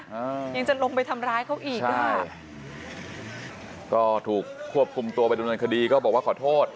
ยังจะลงไปทำร้ายเขาอีกอ่ะก็ถูกควบคุมตัวไปดำเนินคดีก็บอกว่าขอโทษ